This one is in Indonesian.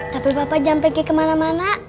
tapi papa jangan pergi kemana mana